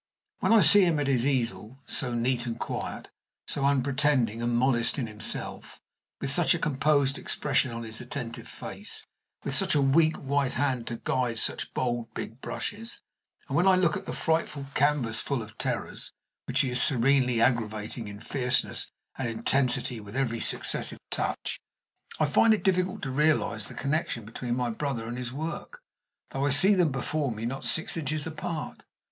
When I see him at his easel, so neat and quiet, so unpretending and modest in himself, with such a composed expression on his attentive face, with such a weak white hand to guide such bold, big brushes, and when I look at the frightful canvasful of terrors which he is serenely aggravating in fierceness and intensity with every successive touch, I find it difficult to realize the connection between my brother and his work, though I see them before me not six inches apart.